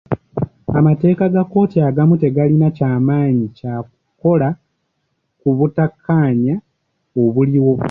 Amateeka ga kkooti agamu tegalina kya maanyi kya kukola ku butakkaanya obuliwo.